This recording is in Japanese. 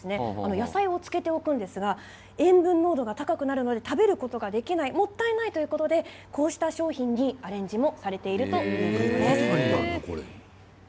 野菜を漬けておくんですが塩分濃度が高くなるため食べることができないもったいないということでこうした商品にアレンジもされているということです。